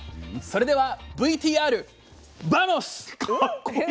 それではＶＴＲあ！